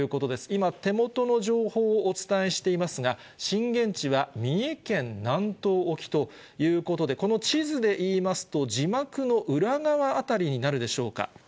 今、手元の情報をお伝えしていますが、震源地は三重県南東沖ということで、この地図でいいますと、字幕の裏側辺りになるでしょうか。